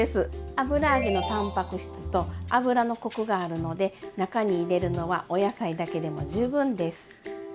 油揚げのたんぱく質と油のコクがあるので中に入れるのはお野菜だけでも十分です！